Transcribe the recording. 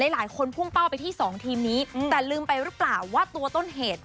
หลายคนพุ่งเป้าไปที่๒ทีมนี้แต่ลืมไปหรือเปล่าว่าตัวต้นเหตุ